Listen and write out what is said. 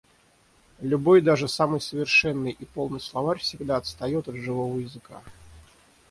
Любой даже самый совершенный и полный словарь всегда отстаёт от живого языка.